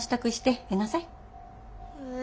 え！